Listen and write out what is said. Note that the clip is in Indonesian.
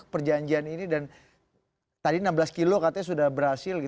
perjanjian ini dan tadi enam belas kilo katanya sudah berhasil